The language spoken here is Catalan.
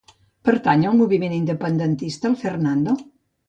Pertany al moviment independentista el Fernando?